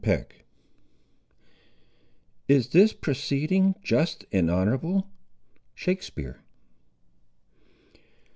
CHAPTER XXX Is this proceeding just and honourable? —Shakespeare.